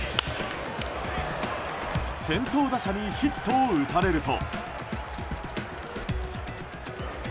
先頭打者にヒットを打たれると。